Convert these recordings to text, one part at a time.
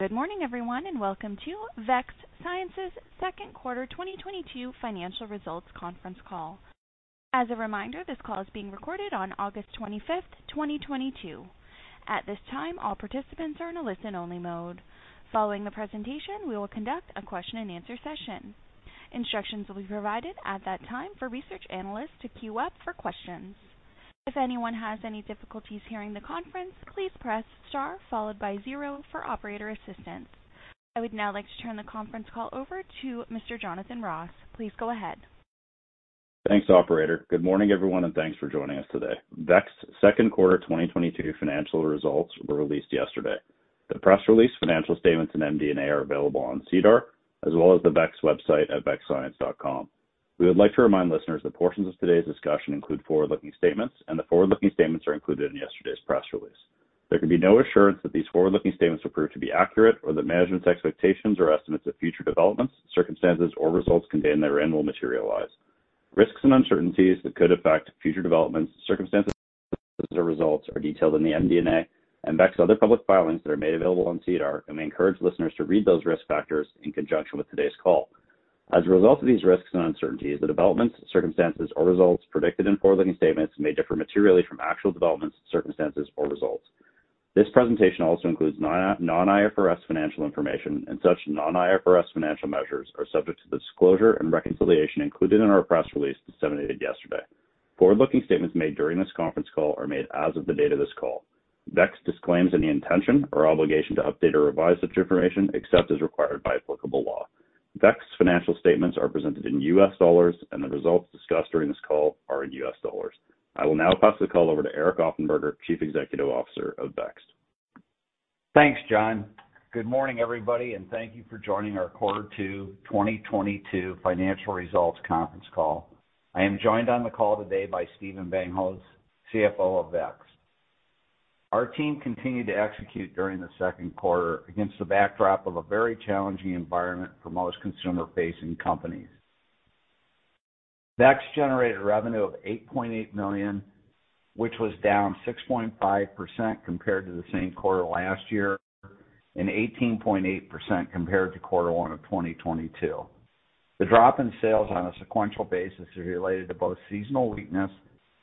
Good morning, everyone, and welcome to Vext Science's second quarter 2022 financial results conference call. As a reminder, this call is being recorded on August 25, 2022. At this time, all participants are in a listen-only mode. Following the presentation, we will conduct a question-and-answer session. Instructions will be provided at that time for research analysts to queue up for questions. If anyone has any difficulties hearing the conference, please press Star followed by zero for operator assistance. I would now like to turn the conference call over to Mr. Jonathan Ross. Please go ahead. Thanks, operator. Good morning, everyone, and thanks for joining us today. Vext second quarter 2022 financial results were released yesterday. The press release, financial statements, and MD&A are available on SEDAR as well as the Vext website at vextscience.com. We would like to remind listeners that portions of today's discussion include forward-looking statements, and the forward-looking statements are included in yesterday's press release. There can be no assurance that these forward-looking statements will prove to be accurate or that management's expectations or estimates of future developments, circumstances, or results contained therein will materialize. Risks and uncertainties that could affect future developments, circumstances, or results are detailed in the MD&A and Vext's other public filings that are made available on SEDAR, and we encourage listeners to read those risk factors in conjunction with today's call. As a result of these risks and uncertainties, the developments, circumstances, or results predicted in forward-looking statements may differ materially from actual developments, circumstances, or results. This presentation also includes non-IFRS financial information, and such non-IFRS financial measures are subject to the disclosure and reconciliation included in our press release disseminated yesterday. Forward-looking statements made during this conference call are made as of the date of this call. VEX disclaims any intention or obligation to update or revise such information except as required by applicable law. VEX financial statements are presented in U.S. dollars, and the results discussed during this call are in U.S. dollars. I will now pass the call over to Eric Offenberger, Chief Executive Officer of VEX. Thanks, Jon. Good morning, everybody, and thank you for joining our quarter 2 2022 financial results conference call. I am joined on the call today by Stephan Bankosz, CFO of Vext. Our team continued to execute during the second quarter against the backdrop of a very challenging environment for most consumer-facing companies. Vext generated revenue of $8.8 million, which was down 6.5% compared to the same quarter last year, and 18.8% compared to quarter 1 of 2022. The drop in sales on a sequential basis is related to both seasonal weakness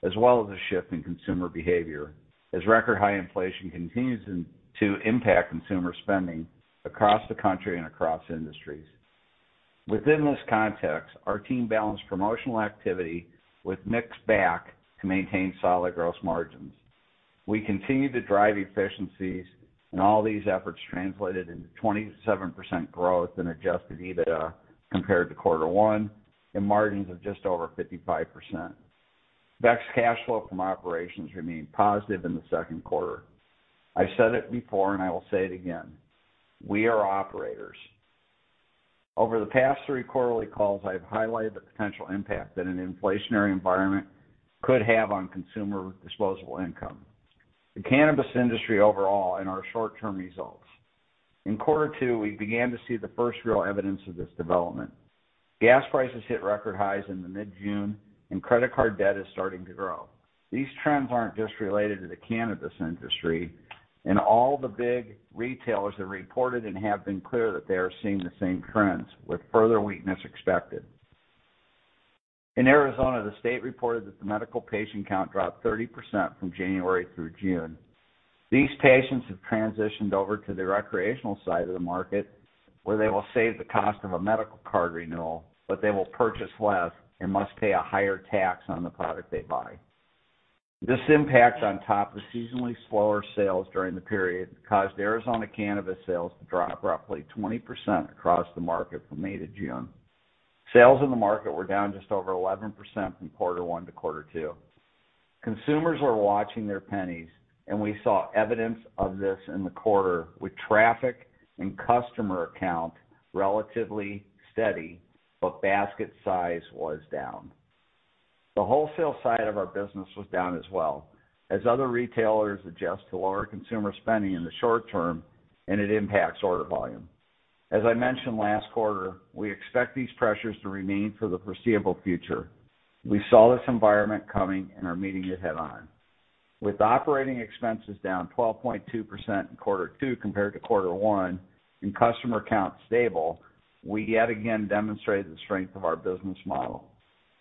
as well as a shift in consumer behavior as record high inflation continues to impact consumer spending across the country and across industries. Within this context, our team balanced promotional activity with mix back to maintain solid gross margins. We continued to drive efficiencies and all these efforts translated into 27% growth in adjusted EBITDA compared to quarter one and margins of just over 55%. Vext cash flow from operations remained positive in the second quarter. I said it before and I will say it again, we are operators. Over the past three quarterly calls, I have highlighted the potential impact that an inflationary environment could have on consumer disposable income, the cannabis industry overall, and our short-term results. In quarter two, we began to see the first real evidence of this development. Gas prices hit record highs in mid-June, and credit card debt is starting to grow. These trends aren't just related to the cannabis industry, and all the big retailers have reported and have been clear that they are seeing the same trends with further weakness expected. In Arizona, the state reported that the medical patient count dropped 30% from January through June. These patients have transitioned over to the recreational side of the market, where they will save the cost of a medical card renewal, but they will purchase less and must pay a higher tax on the product they buy. This impact on top of seasonally slower sales during the period caused Arizona cannabis sales to drop roughly 20% across the market from May to June. Sales in the market were down just over 11% from quarter one to quarter two. Consumers are watching their pennies, and we saw evidence of this in the quarter with traffic and customer count relatively steady, but basket size was down. The wholesale side of our business was down as well as other retailers adjust to lower consumer spending in the short term, and it impacts order volume. As I mentioned last quarter, we expect these pressures to remain for the foreseeable future. We saw this environment coming and are meeting it head on. With operating expenses down 12.2% in quarter two compared to quarter one and customer count stable, we yet again demonstrated the strength of our business model.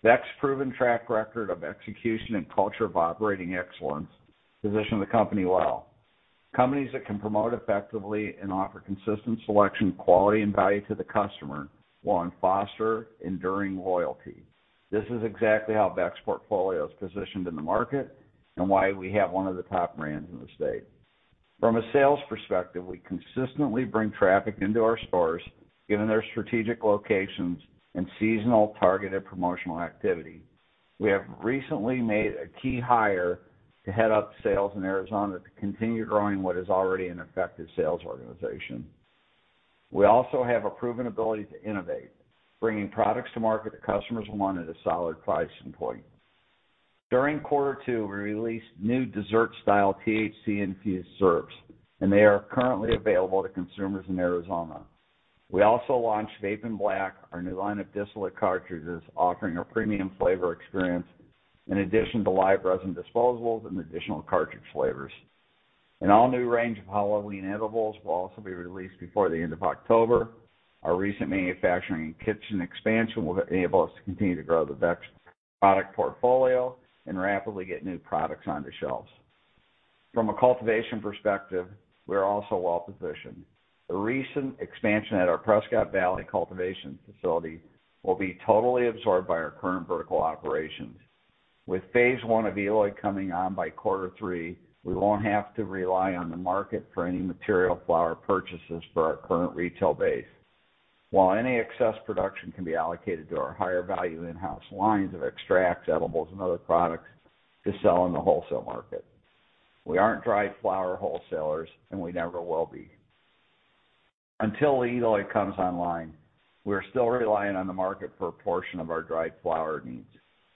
Vext's proven track record of execution and culture of operating excellence position the company well. Companies that can promote effectively and offer consistent selection, quality, and value to the customer will foster enduring loyalty. This is exactly how Vext's portfolio is positioned in the market and why we have one of the top brands in the state. From a sales perspective, we consistently bring traffic into our stores given their strategic locations and seasonal targeted promotional activity. We have recently made a key hire to head up sales in Arizona to continue growing what is already an effective sales organization. We also have a proven ability to innovate, bringing products to market that customers want at a solid price point. During quarter two, we released new dessert-style THC-infused syrups, and they are currently available to consumers in Arizona. We also launched Vapen Black, our new line of distillate cartridges offering a premium flavor experience. In addition to live resin disposables and additional cartridge flavors. An all-new range of Halloween edibles will also be released before the end of October. Our recent manufacturing and kitchen expansion will enable us to continue to grow the product portfolio and rapidly get new products onto shelves. From a cultivation perspective, we are also well positioned. The recent expansion at our Prescott Valley cultivation facility will be totally absorbed by our current vertical operations. With phase one of Eloy coming on by quarter three, we won't have to rely on the market for any material flower purchases for our current retail base. While any excess production can be allocated to our higher value in-house lines of extracts, edibles, and other products to sell in the wholesale market. We aren't dried flower wholesalers, and we never will be. Until Eloy comes online, we're still relying on the market for a portion of our dried flower needs.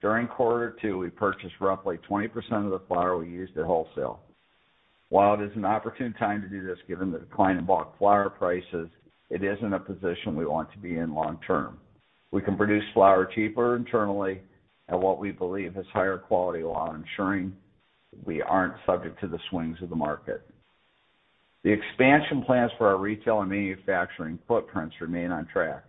During quarter two, we purchased roughly 20% of the flower we used at wholesale. While it is an opportune time to do this, given the decline in bulk flower prices, it isn't a position we want to be in long term. We can produce flower cheaper internally at what we believe is higher quality, while ensuring we aren't subject to the swings of the market. The expansion plans for our retail and manufacturing footprints remain on track.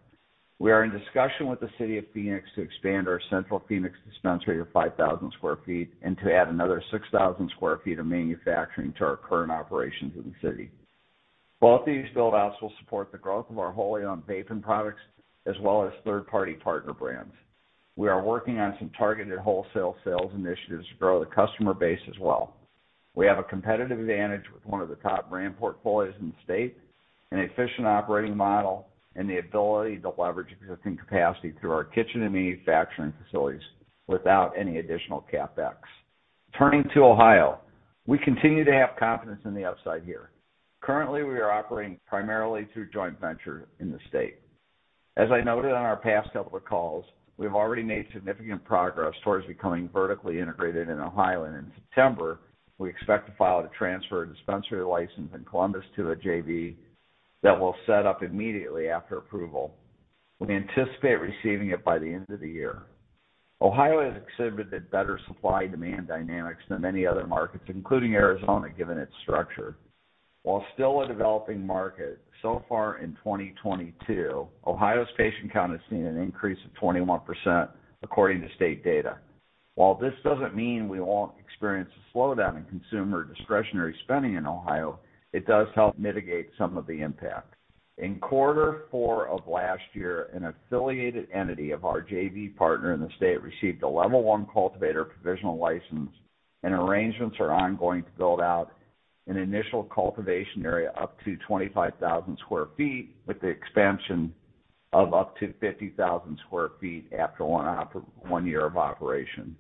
We are in discussion with the City of Phoenix to expand our central Phoenix dispensary to 5,000 sq ft and to add another 6,000 sq ft of manufacturing to our current operations in the city. Both these build outs will support the growth of our wholly-owned vapor products as well as third-party partner brands. We are working on some targeted wholesale sales initiatives to grow the customer base as well. We have a competitive advantage with one of the top brand portfolios in the state, an efficient operating model, and the ability to leverage existing capacity through our kitchen and manufacturing facilities without any additional CapEx. Turning to Ohio, we continue to have confidence in the upside here. Currently, we are operating primarily through joint venture in the state. As I noted on our past couple of calls, we've already made significant progress towards becoming vertically integrated in Ohio. In September, we expect to file to transfer a dispensary license in Columbus to a JV that will set up immediately after approval. We anticipate receiving it by the end of the year. Ohio has exhibited better supply-demand dynamics than many other markets, including Arizona, given its structure. While still a developing market, so far in 2022, Ohio's patient count has seen an increase of 21% according to state data. While this doesn't mean we won't experience a slowdown in consumer discretionary spending in Ohio, it does help mitigate some of the impacts. In quarter four of last year, an affiliated entity of our JV partner in the state received a level one cultivator provisional license, and arrangements are ongoing to build out an initial cultivation area up to 25,000 sq ft, with the expansion of up to 50,000 sq ft after one year of operation.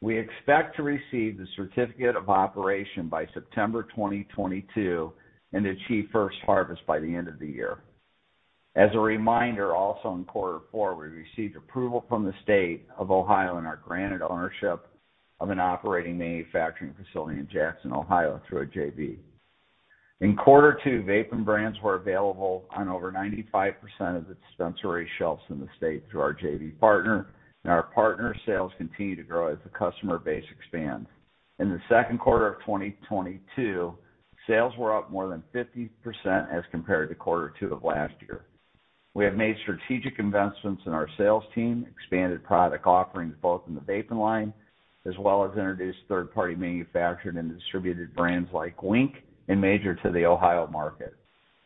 We expect to receive the certificate of operation by September 2022 and achieve first harvest by the end of the year. As a reminder, also in quarter four, we received approval from the State of Ohio and are granted ownership of an operating manufacturing facility in Jackson, Ohio, through a JV. In quarter two, Vapen brands were available on over 95% of the dispensary shelves in the state through our JV partner, and our partner sales continue to grow as the customer base expands. In the second quarter of 2022, sales were up more than 50% as compared to quarter 2 of last year. We have made strategic investments in our sales team, expanded product offerings both in the Vapen line, as well as introduced third-party manufactured and distributed brands like WYNK and Major to the Ohio market.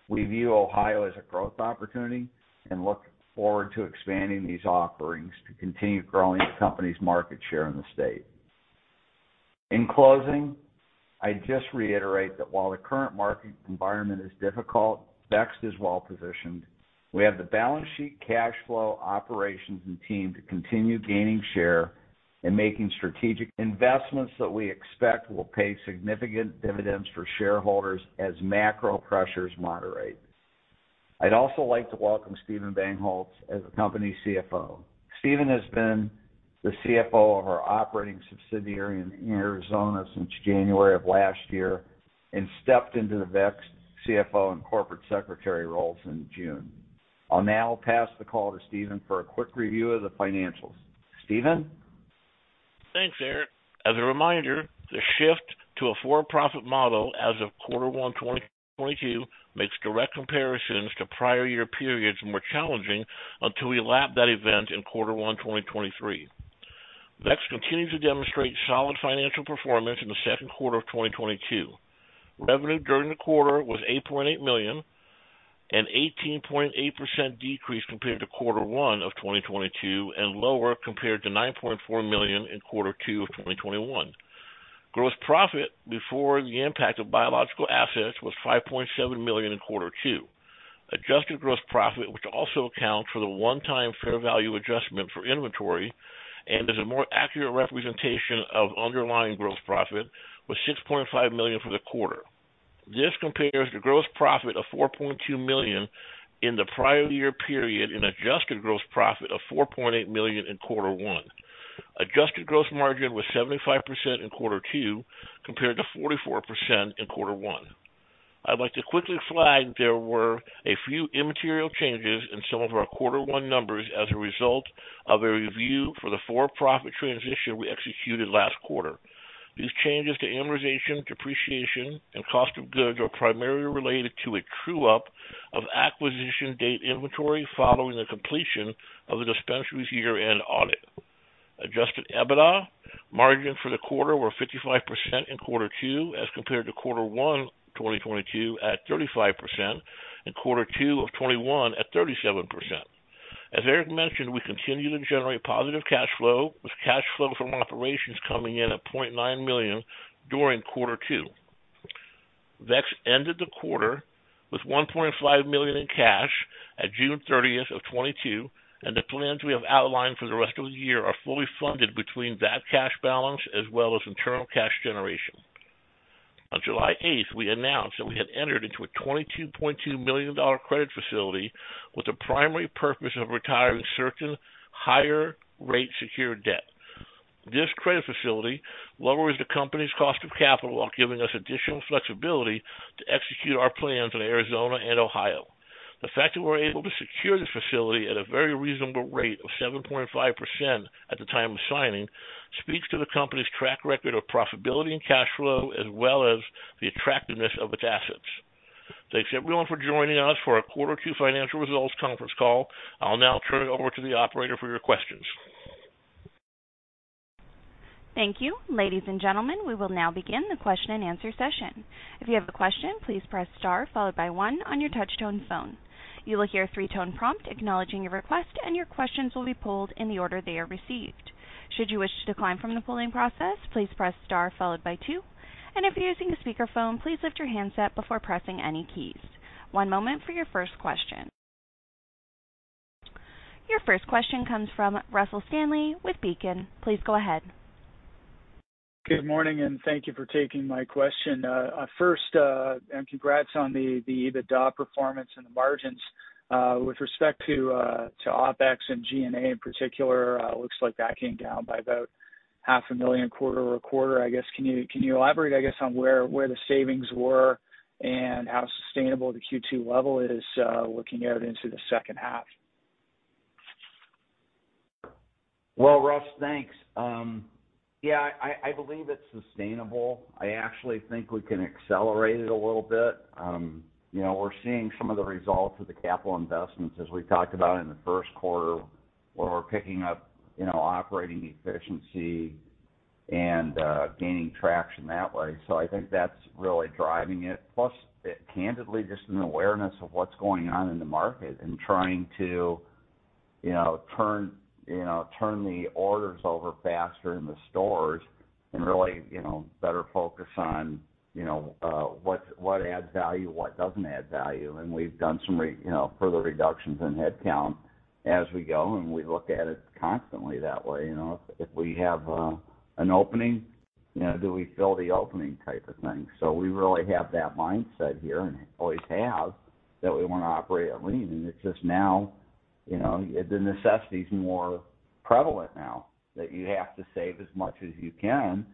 We view Ohio as a growth opportunity and look forward to expanding these offerings to continue growing the company's market share in the state. In closing, I just reiterate that while the current market environment is difficult, Vext is well positioned. We have the balance sheet, cash flow, operations, and team to continue gaining share and making strategic investments that we expect will pay significant dividends for shareholders as macro pressures moderate. I'd also like to welcome Stephan Bankosz as the company CFO. Stephan has been the CFO of our operating subsidiary in Arizona since January of last year and stepped into the Vext CFO and corporate secretary roles in June. I'll now pass the call to Stephan for a quick review of the financials. Stephan? Thanks, Eric. As a reminder, the shift to a for-profit model as of Q1 2022 makes direct comparisons to prior year periods more challenging until we lap that event in Q1 2023. Vext continues to demonstrate solid financial performance in the second quarter of 2022. Revenue during the quarter was $8.8 million, an 18.8% decrease compared to Q1 2022 and lower compared to $9.4 million in Q2 2021. Gross profit before the impact of biological assets was $5.7 million in Q2. Adjusted gross profit, which also accounts for the one-time fair value adjustment for inventory and is a more accurate representation of underlying gross profit, was $6.5 million for the quarter. This compares the gross profit of $4.2 million in the prior year period and adjusted gross profit of $4.8 million in quarter one. Adjusted gross margin was 75% in quarter two, compared to 44% in quarter one. I'd like to quickly flag there were a few immaterial changes in some of our quarter one numbers as a result of a review for the for-profit transition we executed last quarter. These changes to amortization, depreciation, and cost of goods are primarily related to a true-up of acquisition date inventory following the completion of the dispensary's year-end audit. Adjusted EBITDA margins for the quarter were 55% in quarter two as compared to quarter one 2022 at 35% and quarter two of 2021 at 37%. As Eric mentioned, we continue to generate positive cash flow, with cash flow from operations coming in at $0.9 million during quarter two. Vext ended the quarter with $1.5 million in cash at June 30, 2022, and the plans we have outlined for the rest of the year are fully funded between that cash balance as well as internal cash generation. On July 8, we announced that we had entered into a $22.2 million credit facility with the primary purpose of retiring certain higher rate secured debt. This credit facility lowers the company's cost of capital while giving us additional flexibility to execute our plans in Arizona and Ohio. The fact that we're able to secure this facility at a very reasonable rate of 7.5% at the time of signing speaks to the company's track record of profitability and cash flow, as well as the attractiveness of its assets. Thanks, everyone, for joining us for our quarter two financial results conference call. I'll now turn it over to the operator for your questions. Thank you. Ladies and gentlemen, we will now begin the question-and-answer session. If you have a question, please press star followed by one on your touchtone phone. You will hear a three-tone prompt acknowledging your request, and your questions will be pooled in the order they are received. Should you wish to decline from the pooling process, please press star followed by two. If you're using a speakerphone, please lift your handset before pressing any keys. One moment for your first question. Your first question comes from Russell Stanley with Beacon. Please go ahead. Good morning, thank you for taking my question. First, congrats on the EBITDA performance and the margins. With respect to OpEx and G&A in particular, looks like that came down by about $ half a million quarter-over-quarter. I guess, can you elaborate, I guess, on where the savings were and how sustainable the Q2 level is, looking out into the second half? Well, Russ, thanks. Yeah, I believe it's sustainable. I actually think we can accelerate it a little bit. You know, we're seeing some of the results of the capital investments as we talked about in the first quarter, where we're picking up, you know, operating efficiency and gaining traction that way. I think that's really driving it. Plus, candidly, just an awareness of what's going on in the market and trying to, you know, turn the orders over faster in the stores and really, you know, better focus on, you know, what adds value, what doesn't add value. We've done some further reductions in headcount as we go, and we look at it constantly that way. You know, if we have an opening, you know, do we fill the opening type of thing. We really have that mindset here and always have that we want to operate at lean. It's just now, you know, the necessity is more prevalent now that you have to save as much as you can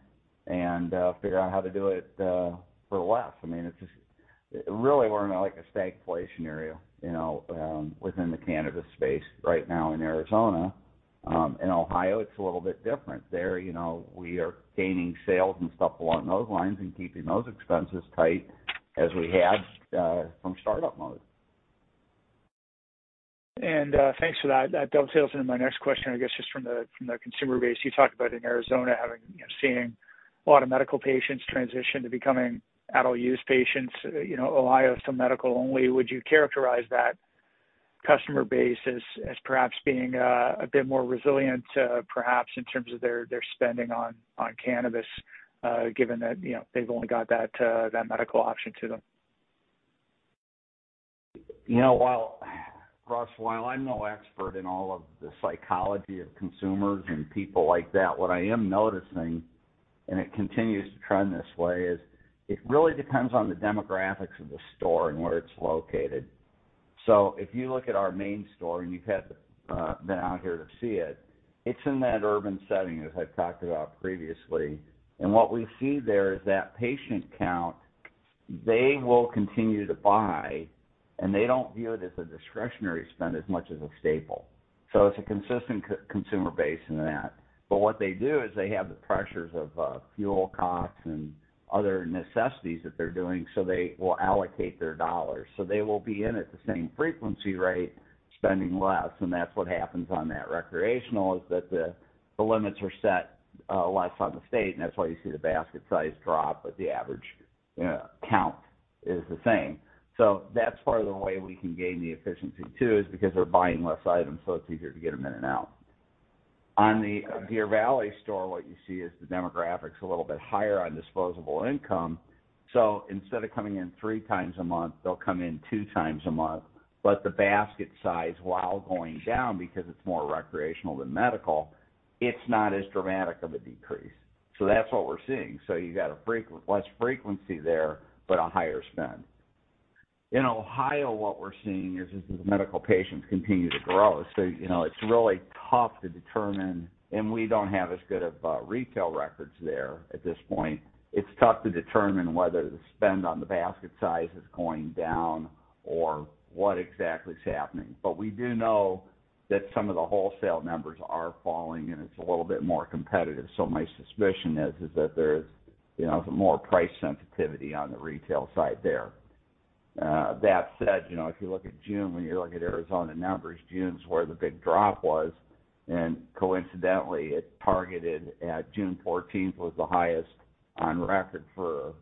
and figure out how to do it for less. I mean, it's just really we're in like a stagflation era, you know, within the cannabis space right now in Arizona. In Ohio, it's a little bit different. There, you know, we are gaining sales and stuff along those lines and keeping those expenses tight as we had from startup mode. Thanks for that. That dovetails into my next question, I guess, just from the consumer base. You talked about in Arizona having, you know, seeing a lot of medical patients transition to becoming adult use patients, you know. Ohio is still medical only. Would you characterize that customer base as perhaps being a bit more resilient, perhaps in terms of their spending on cannabis, given that, you know, they've only got that medical option to them? You know, Russ, while I'm no expert in all of the psychology of consumers and people like that, what I am noticing, and it continues to trend this way, is it really depends on the demographics of the store and where it's located. If you look at our main store, and you've been out here to see it's in that urban setting as I've talked about previously. What we see there is that patient count, they will continue to buy, and they don't view it as a discretionary spend as much as a staple. It's a consistent co-consumer base in that. What they do is they have the pressures of fuel costs and other necessities that they're doing, so they will allocate their dollars. They will be in at the same frequency rate, spending less. That's what happens on that recreational, is that the limits are set less on the state, and that's why you see the basket size drop, but the average count is the same. That's part of the way we can gain the efficiency too, is because they're buying less items, so it's easier to get them in and out. On the Deer Valley store, what you see is the demographics a little bit higher on disposable income. Instead of coming in three times a month, they'll come in two times a month. The basket size, while going down because it's more recreational than medical, it's not as dramatic of a decrease. That's what we're seeing. You got less frequency there, but a higher spend. In Ohio, what we're seeing is the medical patients continue to grow. You know, it's really tough to determine. We don't have as good of retail records there at this point. It's tough to determine whether the spend on the basket size is going down or what exactly is happening. We do know that some of the wholesale numbers are falling, and it's a little bit more competitive. My suspicion is that there's, you know, some more price sensitivity on the retail side there. That said, you know, if you look at June, when you look at Arizona numbers, June's where the big drop was. Coincidentally, June fourteenth was the highest on record for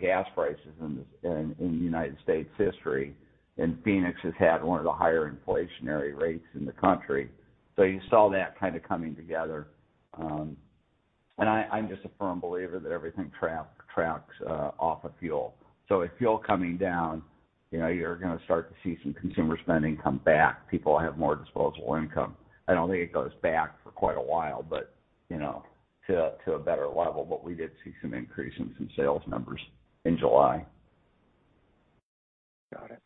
gas prices in the United States history. Phoenix has had one of the higher inflationary rates in the country. You saw that kind of coming together. I'm just a firm believer that everything tracks off of fuel. With fuel coming down, you know, you're gonna start to see some consumer spending come back. People have more disposable income. I don't think it goes back for quite a while, but, you know, to a better level. We did see some increase in some sales numbers in July. Got it.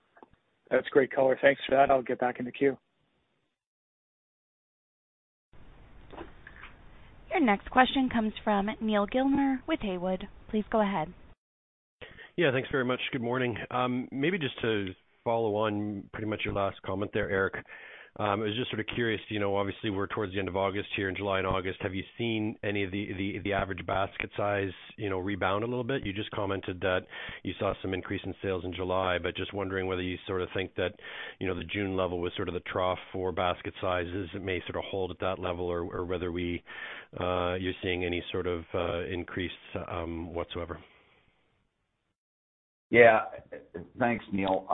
That's great color. Thanks for that. I'll get back in the queue. Your next question comes from Neal Gilmer with Haywood. Please go ahead. Yeah, thanks very much. Good morning. Maybe just to follow on pretty much your last comment there, Eric. I was just sort of curious, you know, obviously we're towards the end of August here in July and August, have you seen any of the average basket size, you know, rebound a little bit? You just commented that you saw some increase in sales in July, but just wondering whether you sort of think that, you know, the June level was sort of the trough for basket sizes. It may sort of hold at that level or whether you're seeing any sort of increase whatsoever. Yeah. Thanks, Neil.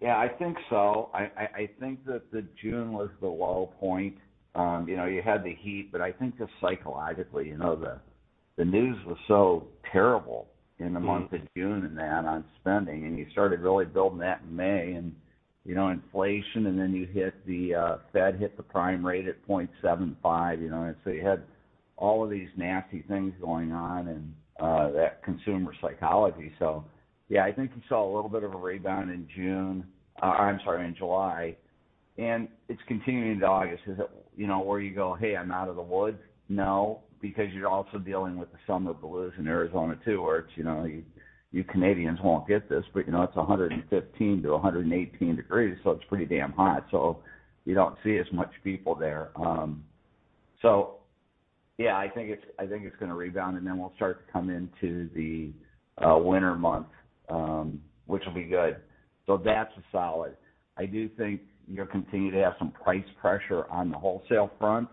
Yeah, I think so. I think that June was the low point. You know, you had the heat, but I think just psychologically, you know, the news was so terrible in the month of June and the downturn in spending, and you started really building that in May and, you know, inflation, and then the Fed hiked the prime rate by 0.75, you know. You had all of these nasty things going on and that consumer psychology. Yeah, I think you saw a little bit of a rebound in July, and it's continuing into August. Is it, you know, where you go, "Hey, I'm out of the woods?" No, because you're also dealing with the summer blues in Arizona, too, where it's, you know, you Canadians won't get this, but, you know, it's 115-118 degrees Fahrenheit, so it's pretty damn hot. You don't see as many people there. Yeah, I think it's gonna rebound, and then we'll start to come into the winter months, which will be good. That's solid. I do think you'll continue to have some price pressure on the wholesale front,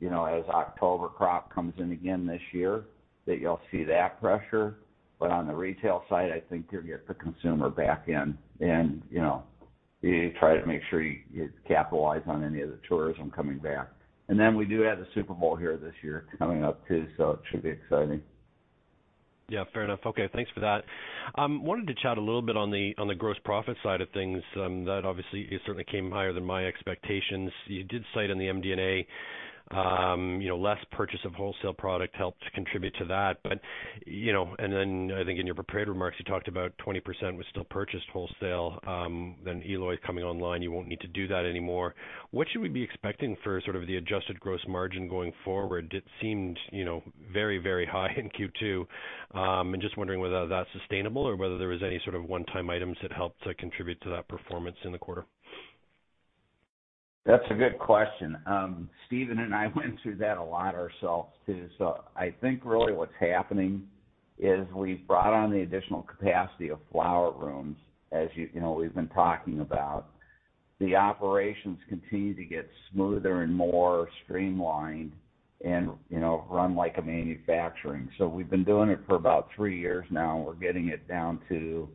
you know, as October crop comes in again this year, that you'll see that pressure. On the retail side, I think you'll get the consumer back in and, you know, you try to make sure you capitalize on any of the tourism coming back. Then we do have the Super Bowl here this year coming up, too, so it should be exciting. Yeah, fair enough. Okay, thanks for that. Wanted to chat a little bit on the gross profit side of things, that obviously it certainly came higher than my expectations. You did cite in the MD&A, you know, less purchase of wholesale product helped to contribute to that. You know, and then I think in your prepared remarks, you talked about 20% was still purchased wholesale, then Eloy coming online, you won't need to do that anymore. What should we be expecting for sort of the adjusted gross margin going forward? It seemed, you know, very, very high in Q2. Just wondering whether that's sustainable or whether there was any sort of one-time items that helped to contribute to that performance in the quarter. That's a good question. Stephen and I went through that a lot ourselves, too. I think really what's happening is we've brought on the additional capacity of flower rooms, as you know, we've been talking about. The operations continue to get smoother and more streamlined and, you know, run like a manufacturing. We've been doing it for about three years now, and we're getting it down to,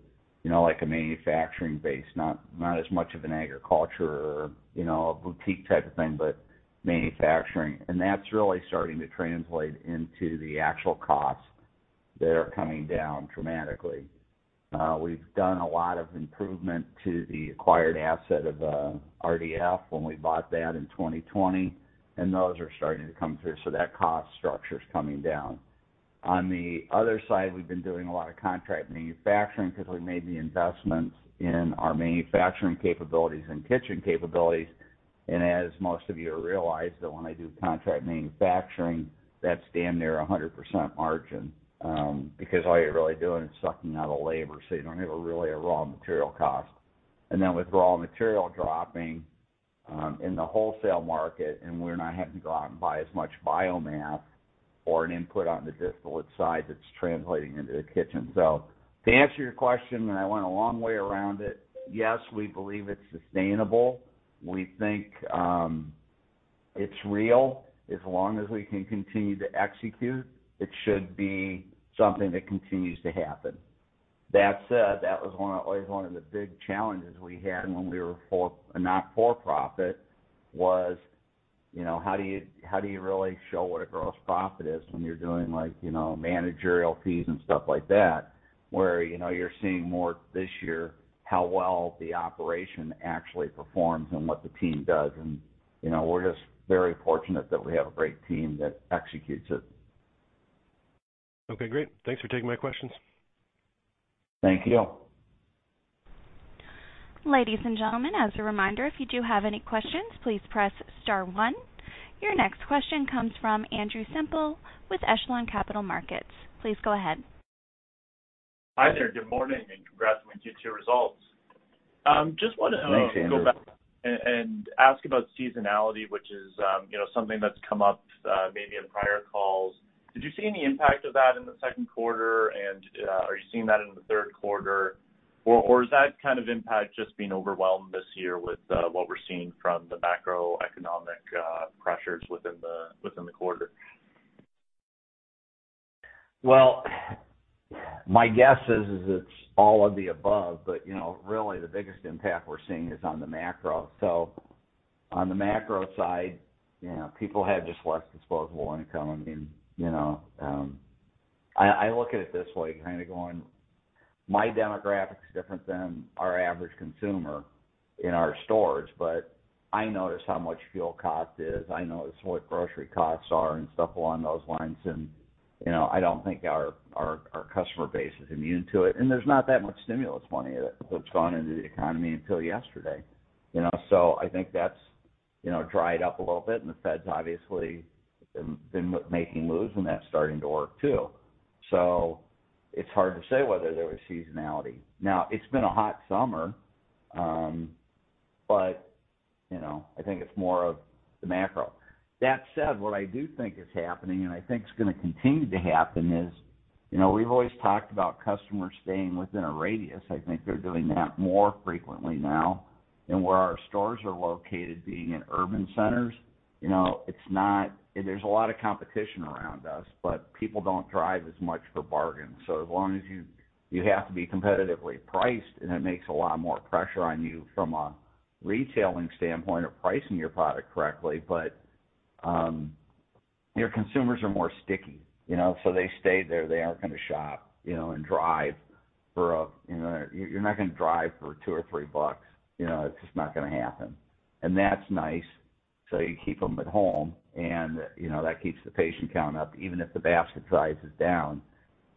you know, like a manufacturing base, not as much of an agriculture or, you know, a boutique type of thing, but manufacturing. That's really starting to translate into the actual costs that are coming down dramatically. We've done a lot of improvement to the acquired asset of RDF when we bought that in 2020, and those are starting to come through. That cost structure is coming down. On the other side, we've been doing a lot of contract manufacturing because we made the investments in our manufacturing capabilities and kitchen capabilities. As most of you realize, that when I do contract manufacturing, that's damn near 100% margin, because all you're really doing is sucking out a labor, so you don't have a really a raw material cost. Then with raw material dropping, in the wholesale market, and we're not having to go out and buy as much biomass or an input on the distillate side that's translating into the kitchen. To answer your question, and I went a long way around it, yes, we believe it's sustainable. We think, it's real. As long as we can continue to execute, it should be something that continues to happen. That said, that was one, always one of the big challenges we had when we were a not-for-profit was, you know, how do you, how do you really show what a gross profit is when you're doing, like, you know, managerial fees and stuff like that, where, you know, you're seeing more this year how well the operation actually performs and what the team does. You know, we're just very fortunate that we have a great team that executes it. Okay, great. Thanks for taking my questions. Thank you. Ladies and gentlemen, as a reminder, if you do have any questions, please press star one. Your next question comes from Andrew Semple with Echelon Capital Markets. Please go ahead. Hi there. Good morning, and congrats on Q2 results. Just wanted to. Thanks, Andrew. Go back and ask about seasonality, which is, you know, something that's come up, maybe in prior calls. Did you see any impact of that in the second quarter? Are you seeing that in the third quarter? Or is that kind of impact just being overwhelmed this year with what we're seeing from the macroeconomic pressures within the quarter? Well, my guess is it's all of the above, but you know, really the biggest impact we're seeing is on the macro. So on the macro side, you know, people have just less disposable income. I mean, you know, I look at it this way, kind of going my demographic's different than our average consumer in our stores, but I notice how much fuel cost is, I notice what grocery costs are and stuff along those lines. You know, I don't think our customer base is immune to it. There's not that much stimulus money that's gone into the economy until yesterday, you know. So I think that's, you know, dried up a little bit and the Fed's obviously been making moves and that's starting to work too. It's hard to say whether there was seasonality. Now, it's been a hot summer, but you know, I think it's more of the macro. That said, what I do think is happening, and I think it's gonna continue to happen is, you know, we've always talked about customers staying within a radius. I think they're doing that more frequently now. Where our stores are located being in urban centers, you know, there's a lot of competition around us, but people don't drive as much for bargains. As long as you have to be competitively priced, and it makes a lot more pressure on you from a retailing standpoint of pricing your product correctly. Your consumers are more sticky, you know, so they stay there. They aren't gonna shop, you know, and drive. You're not gonna drive for $2 or $3. You know, it's just not gonna happen. That's nice. You keep them at home and, you know, that keeps the patient count up. Even if the basket size is down,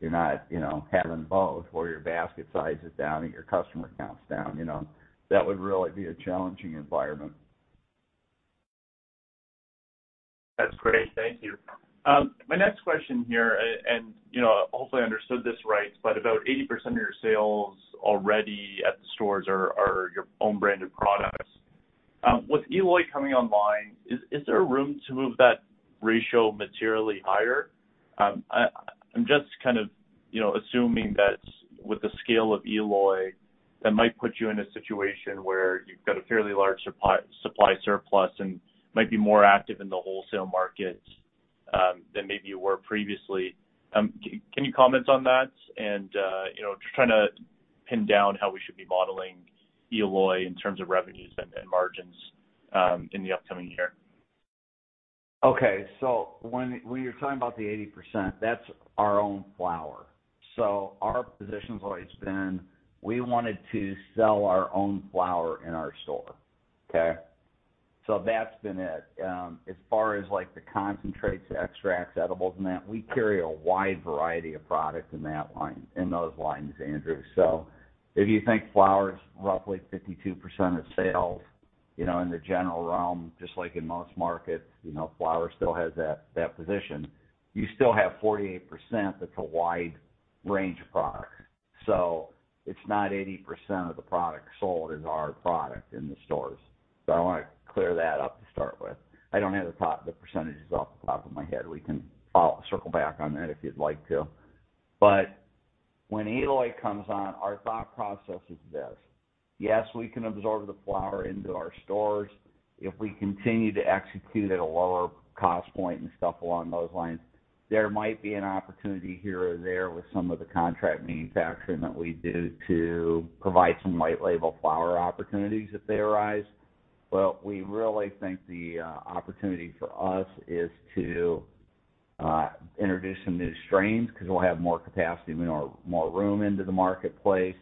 you're not, you know, having both, or your basket size is down and your customer count's down. You know? That would really be a challenging environment. That's great. Thank you. My next question here, and you know, hopefully I understood this right, but about 80% of your sales already at the stores are your own branded products. With Eloy coming online, is there room to move that ratio materially higher? I'm just kind of you know, assuming that with the scale of Eloy, that might put you in a situation where you've got a fairly large supply surplus and might be more active in the wholesale markets than maybe you were previously. Can you comment on that? You know, just trying to pin down how we should be modeling Eloy in terms of revenues and margins in the upcoming year. Okay. When you're talking about the 80%, that's our own flower. Our position's always been, we wanted to sell our own flower in our store. Okay. That's been it. As far as like the concentrates, extracts, edibles and that, we carry a wide variety of products in that line, in those lines, Andrew. If you think flower's roughly 52% of sales, you know, in the general realm, just like in most markets, you know, flower still has that position. You still have 48% that's a wide range of products. It's not 80% of the products sold is our product in the stores. I wanna clear that up to start with. I don't have the percentages off the top of my head. We can, I'll circle back on that if you'd like to. When Eloy comes on, our thought process is this. Yes, we can absorb the flower into our stores. If we continue to execute at a lower cost point and stuff along those lines, there might be an opportunity here or there with some of the contract manufacturing that we do to provide some white label flower opportunities if they arise. We really think the opportunity for us is to introduce some new strains 'cause we'll have more capacity and more room into the marketplace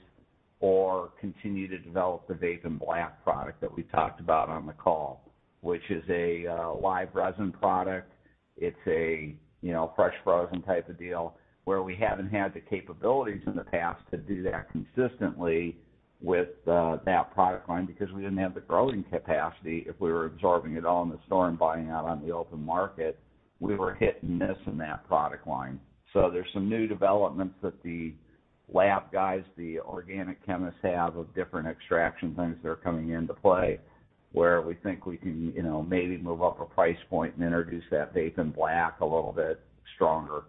or continue to develop the Vapen Black product that we talked about on the call, which is a live resin product. It's a, you know, fresh frozen type of deal where we haven't had the capabilities in the past to do that consistently with that product line because we didn't have the growing capacity. If we were absorbing it all in the store and buying out on the open market, we were hit and miss in that product line. There's some new developments that the lab guys, the organic chemists have of different extraction things that are coming into play, where we think we can, you know, maybe move up a price point and introduce that Vapen Black a little bit stronger.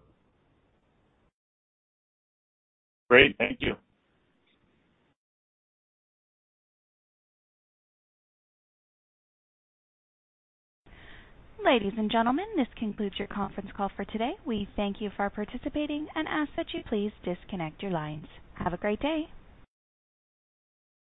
Great. Thank you. Ladies and gentlemen, this concludes your conference call for today. We thank you for participating and ask that you please disconnect your lines. Have a great day.